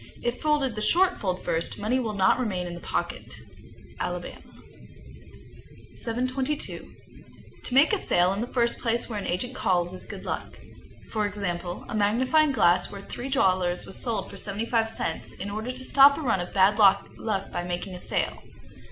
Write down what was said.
If folded the short fold first, money will not remain in the pocket. Alabama. 722. To make a sale in the first place where an agent calls is good luck. For example, a magnifying glass worth three dollars was sold for seventy five cents, in order to stop a run of bad luck by making a sale.